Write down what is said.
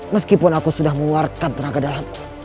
meskipun aku sudah mewarakan tenaga dalamku